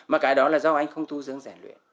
mà cái đó là do anh không tu dưỡng rèn luyện